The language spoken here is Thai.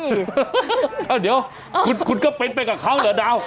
เดี๋ยวคุณก็เป็นไปกับเขาเหรอดาว